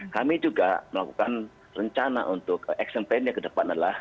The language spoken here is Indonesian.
kami juga melakukan rencana untuk action plan yang kedepannya adalah